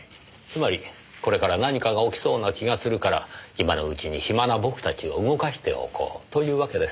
つまりこれから何かが起きそうな気がするから今のうちに暇な僕たちを動かしておこうというわけですか。